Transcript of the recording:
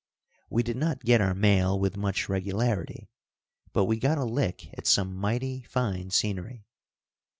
We did not get our mail with much regularity, but we got a lick at some mighty fine scenery.